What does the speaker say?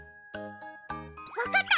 わかった！